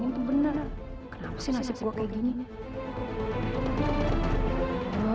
itu benar benar sih nasib gue kayak gini